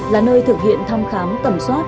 là nơi thực hiện thăm khám tầm soát